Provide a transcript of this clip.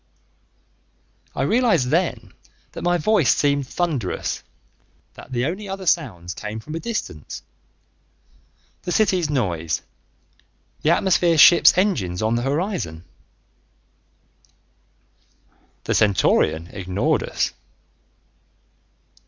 I realized then that my voice seemed thunderous, that the only other sounds came from a distance: the city's noise, the atmosphere ships' engines on the horizon The Centaurian ignored us.